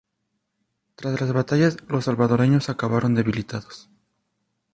Tras las batallas los salvadoreños acabaron debilitados.